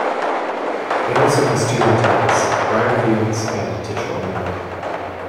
It also has two hotels, Briarfields and Titchwell Manor.